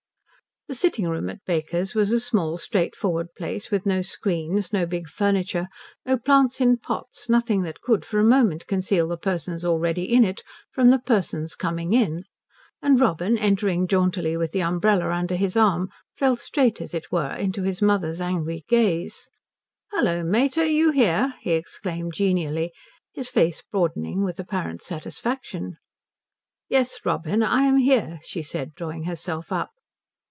The sitting room at Baker's was a small, straightforward place, with no screens, no big furniture, no plants in pots, nothing that could for a moment conceal the persons already in it from the persons coming in, and Robin entering jauntily with the umbrella under his arm fell straight as it were into his mother's angry gaze. "Hullo mater, you here?" he exclaimed genially, his face broadening with apparent satisfaction. "Yes, Robin, I am here," she said, drawing herself up.